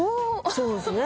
そうですね。